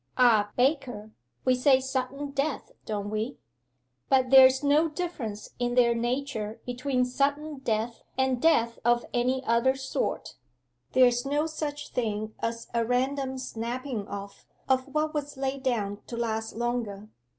Ah, Baker, we say sudden death, don't we? But there's no difference in their nature between sudden death and death of any other sort. There's no such thing as a random snapping off of what was laid down to last longer.